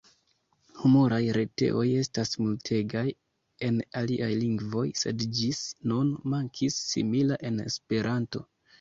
Humuraj retejoj estas multegaj en aliaj lingvoj, sed ĝis nun mankis simila en Esperanto.